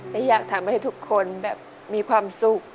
และอยากทำให้ทุกคนแบบมีความสุข